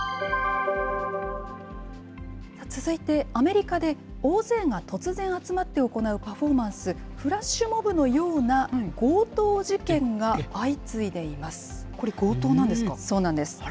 続いて、アメリカで大勢が突然集まって行うパフォーマンス、フラッシュモブのような強盗事件が相次いでいます。